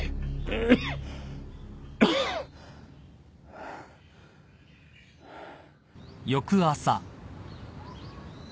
ハァハァ。